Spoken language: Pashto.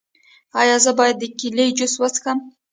ایا زه باید د کیلي جوس وڅښم؟